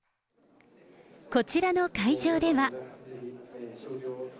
こちらの会場では。